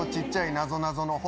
なぞなぞの本。